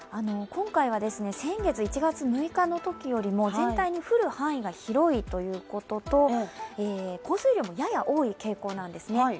今回は、先月１月６日のときよりも全体に降る範囲が広いということと、降水量もやや多い傾向なんですね。